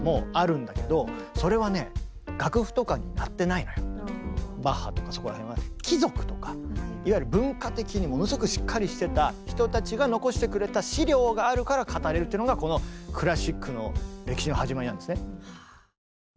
いわゆるポップスバッハとかそこら辺はね貴族とかいわゆる文化的にものすごくしっかりしてた人たちがのこしてくれた資料があるから語れるっていうのがこのクラシックの歴史の始まりなんですね。